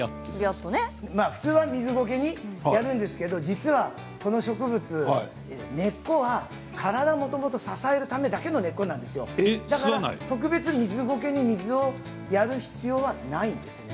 普通は水ゴケにやるんですがこの植物、根っこは体を支えるためだけの根っこなんですよ、だから特別、水ゴケに水をやる必要はないんです。